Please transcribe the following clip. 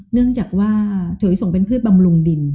เนื่องจากว่าถั่วลิสงศ์เป็นพืชบำรุงดิน